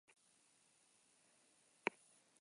Uharte txiki eta malkartsu bat da.